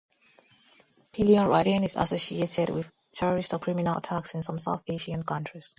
Pillion-riding is associated with terrorist or criminal attacks in some South Asian countries.